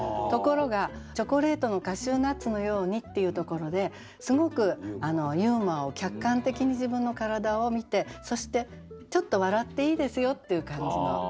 ところが「チョコレートのカシュウナッツのように」っていうところですごくユーモアを客観的に自分の体を見てそしてちょっと笑っていいですよっていう感じの。